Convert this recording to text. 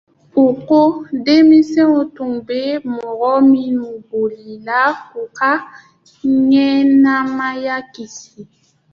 U ko denmisɛnw tun bɛ mɔgɔ minnu bolila k’u ka ɲɛnamaya kisi.